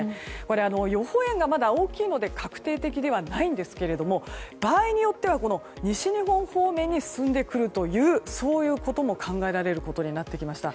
予報円がまだ大きいので確定的ではないんですが場合によっては西日本方面に進んでくるということも考えられることになってきました。